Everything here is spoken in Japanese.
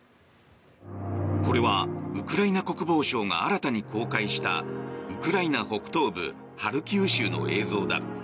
これはウクライナ国防省が新たに公開したウクライナ北東部ハルキウ州の映像だ。